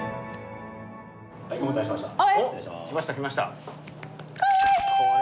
お待たせしました。